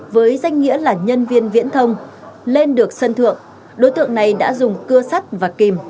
với danh nghĩa là nhân viên viễn thông lên được sân thượng đối tượng này đã dùng cưa sắt và kìm